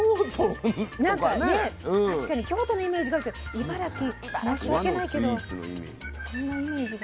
確かに京都のイメージがあるけど茨城申し訳ないけどそんなイメージが。